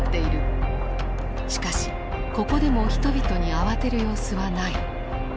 しかしここでも人々に慌てる様子はない。